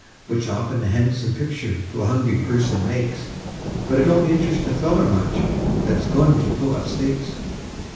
Which often a han'some pictur' to a hungry person makes, But it don't interest a feller much that's goin' to pull up stakes.